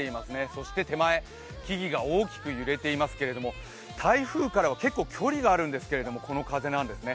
そして手前、木々が大きく揺れていますけども、台風からは結構距離があるんですけれども、この風なんですね。